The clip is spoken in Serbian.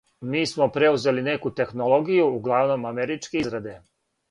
Ми смо преузели неку технологију, углавном америчке израде.